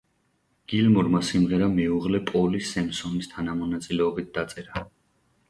გილმორმა სიმღერა მეუღლე პოლი სემსონის თანამონაწილეობით დაწერა.